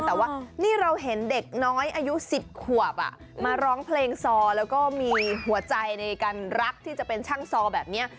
แต่ว่านี่เราเห็นเด็กน้อยอายุ๑๐ขวบมาร้องเพลงซอแล้วก็มีหัวใจในการรักที่จะเป็นช่างซอแบบนี้